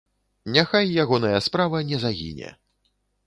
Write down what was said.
Няхай ягоная справа не загіне.